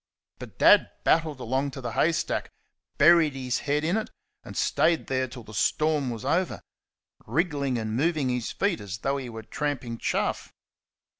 But Dad battled along to the haystack, buried his head in it, and stayed there till the storm was over wriggling and moving his feet as though he were tramping chaff.